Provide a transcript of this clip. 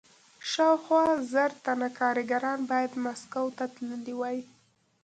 شاوخوا زر تنه کارګران باید مسکو ته تللي وای